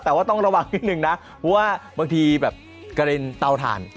แต่ต้องระวังนิดนึงนะเพราะมักธีเกล็นเตาถ่าน